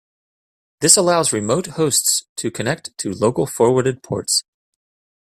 This allows remote hosts to connect to local forwarded ports.